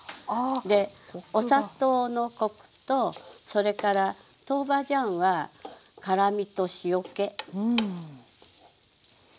でお砂糖のコクとそれから豆板醤は辛みと塩けです。